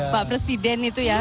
pak presiden itu ya